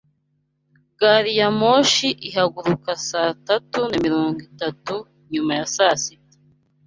Gari ya moshi irahaguruka saa tatu na mirongo itatu nyuma ya saa sita.